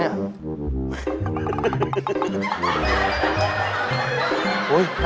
ไอ้เบิร์ดน่ะ